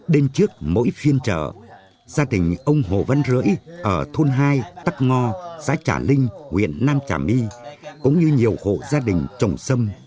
đêm trước mỗi phiên chợ gia đình ông hồ văn rẫy ở thôn hai tắc ngo xã trà linh nguyễn nam trà my cũng như nhiều hộ gia đình trồng sâm